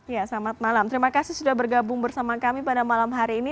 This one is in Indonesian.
ya selamat malam terima kasih sudah bergabung bersama kami pada malam hari ini